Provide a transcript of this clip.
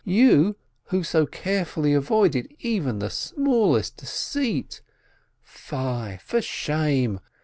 You who so carefully avoided even the smallest deceit! Fie, for shame